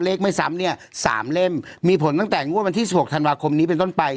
ไม่ซ้ำเนี่ยสามเล่มมีผลตั้งแต่งวดวันที่๑๖ธันวาคมนี้เป็นต้นไป